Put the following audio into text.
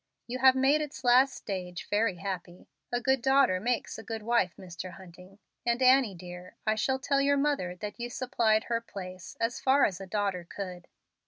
You have made its last stage very happy. A good daughter makes a good wife, Mr. Hunting; and, Annie, dear, I shall tell your mother that you supplied her place, as far as a daughter could.